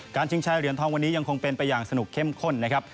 ชิงชายเหรียญทองวันนี้ยังคงเป็นไปอย่างสนุกเข้มข้นนะครับ